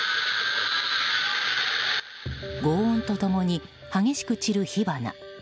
轟音と共に激しく散る火花。